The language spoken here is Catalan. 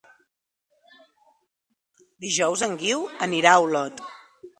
Dijous en Guiu anirà a Olot.